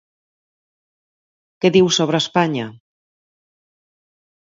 Què diu sobre Espanya?